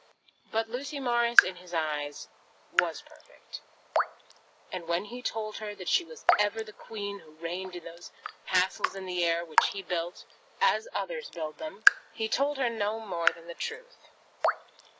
But Lucy Morris, in his eyes, was perfect; and when he told her that she was ever the queen who reigned in those castles in the air which he built, as others build them, he told her no more than the truth.